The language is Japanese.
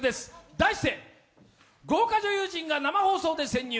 題して豪華女優陣が生放送で潜入！